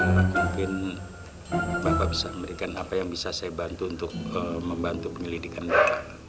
mungkin bapak bisa memberikan apa yang bisa saya bantu untuk membantu penyelidikan mereka